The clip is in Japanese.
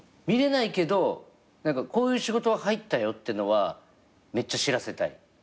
見れないけどこういう仕事が入ったよってのはめっちゃ知らせたい。